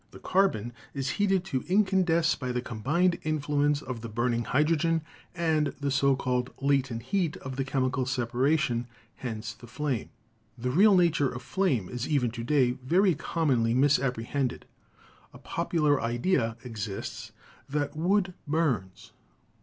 The carbon is heated to in candesce by the combined influence of the burning hydro gen and the so called "latent heat" of the chemical separa tion — hence the flame. The real nature of flame is even to day very commonly misapprehended. A popular idea exists that wood burns.